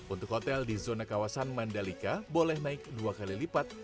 untuk hotel di zona kawasan mandalika boleh naik dua kali lipat